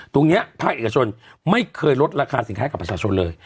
ภาคเอกชนไม่เคยลดราคาสินค้ากับประชาชนเลย